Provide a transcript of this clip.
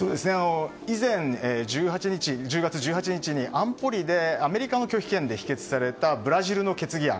以前、１０月１８日安保理でアメリカの拒否権で否決されたブラジルの決議案。